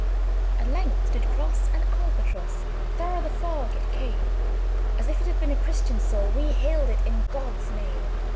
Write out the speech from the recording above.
At length did cross an Albatross: Thorough the fog it came; As if it had been a Christian soul, We hailed it in God's name.